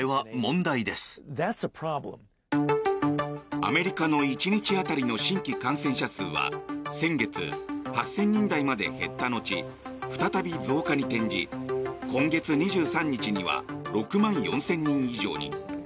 アメリカの１日当たりの新規感染者数は先月８０００人台まで減った後再び増加に転じ今月２３日には６万４０００人以上に。